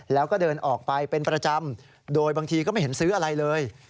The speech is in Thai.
แล้วก็เดินออกไปเป็นประจำโดยบางทีก็ไม่เห็นซื้ออะไรเลย